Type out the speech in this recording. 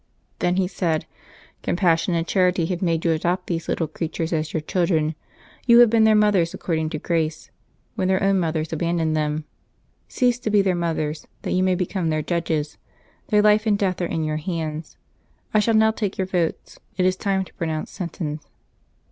Then he said, ^' Compassion and charity have made you adopt these little creatures as your children. You have been their mothers according to grace, w^hen their own mothers abandoned them. Cease to be their mothers, that you may become their judges ; their life and death are in your hands. I shall now take your votes: it is time to pronounce sentence."